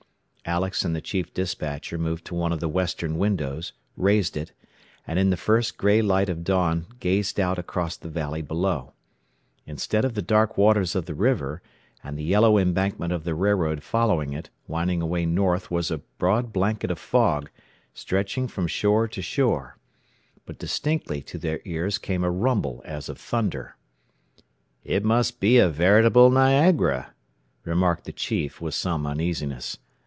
Alex and the chief despatcher moved to one of the western windows, raised it, and in the first gray light of dawn gazed out across the valley below. Instead of the dark waters of the river, and the yellow embankment of the railroad following it, winding away north was a broad blanket of fog, stretching from shore to shore. But distinctly to their ears came a rumble as of thunder. "It must be a veritable Niagara," remarked the chief with some uneasiness.